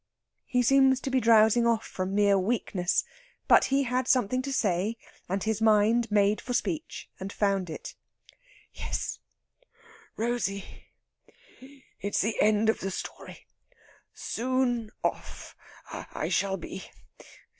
He seemed to be drowsing off from mere weakness; but he had something to say, and his mind made for speech and found it: "Yes, Rosey; it's the end of the story. Soon off I shall be!